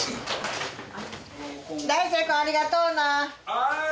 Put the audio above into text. はい。